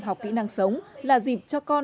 học kỹ năng sống là dịp cho con